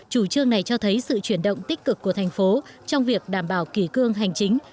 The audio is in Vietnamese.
chủ trương này cho thấy sự chuyển động tích cực của thành phố trong việc đảm bảo kỷ cương hành chính